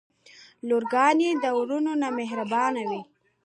لورګانې د وروڼه نه مهربانې وی.